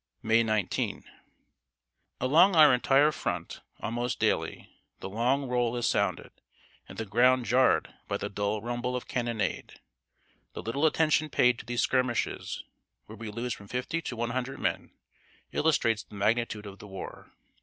May 19. Along our entire front, almost daily, the long roll is sounded, and the ground jarred by the dull rumble of cannonade. The little attention paid to these skirmishes, where we lose from fifty to one hundred men, illustrates the magnitude of the war.